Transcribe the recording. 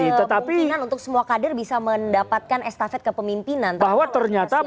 ini kemungkinan untuk semua kader bisa mendapatkan estafet kepemimpinannya